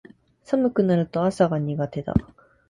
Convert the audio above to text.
寒くなると朝が苦手だ